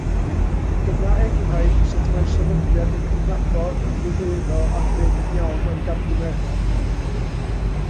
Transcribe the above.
Dyma enghraifft sut mae sefydliad yn cydnabod, ymddiheuro a gwneud yn iawn am gamgymeriad.